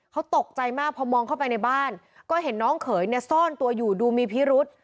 เขาตกใจมากพอมองเข้าไปในบ้านก็เห็นน้องเขยเนี่ยซ่อนตัวอยู่ดูมีพิรุษ